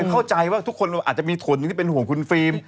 เข้าใจว่าทุกคนอาจจะมีผลหนึ่งที่เป็นห่วงคุณฟิล์ม